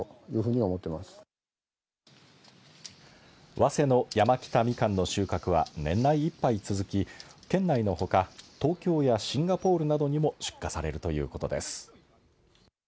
早生の山北みかんの収穫は年内いっぱい続き県内のほか東京やシンガポールなどにも出荷されるということです。